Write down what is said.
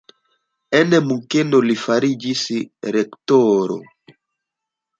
En Munkeno li fariĝis rektoro.